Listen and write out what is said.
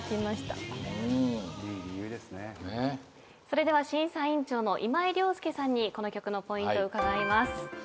それでは審査委員長の今井了介さんにこの曲のポイント伺います。